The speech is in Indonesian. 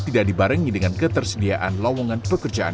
tidak dibarengi dengan ketersediaan lowongan pekerjaan